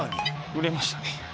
売れましたね。